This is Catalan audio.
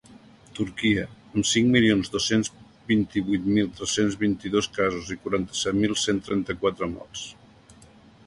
Turquia, amb cinc milions dos-cents vint-i-vuit mil tres-cents vint-i-dos casos i quaranta-set mil cent trenta-quatre morts.